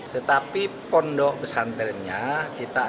tetapi pondok pesantrennya kita akan